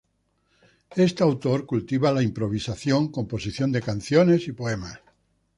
Este autor cultiva la improvisación, composición de canciones y poemas.